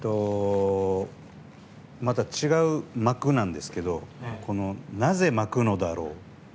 また違う「まく」なんですけどなぜ撒くのだろう。